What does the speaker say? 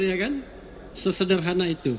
ya kan sesederhana itu